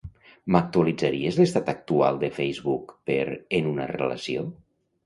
M'actualitzaries l'estat actual de Facebook per "en una relació"?